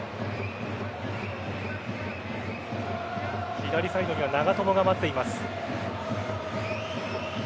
左サイドには長友が待っています。